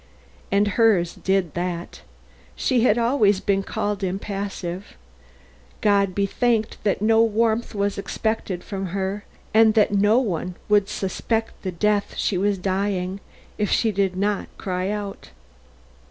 And hers did that. She had always been called impassive. God be thanked that no warmth was expected from her and that no one would suspect the death she was dying, if she did not cry out.